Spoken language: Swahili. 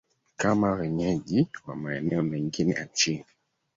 kama wenyeji wa maeneo mengine ya chini